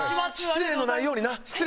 失礼のないようにな。